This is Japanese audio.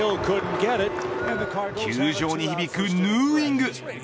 球場に響くヌーイング。